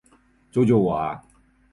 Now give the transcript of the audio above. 救救我啊！